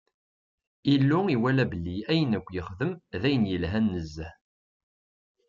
Illu iwala belli ayen akk yexdem d ayen yelhan nezzeh.